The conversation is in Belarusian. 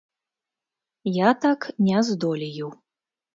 Я так не здолею.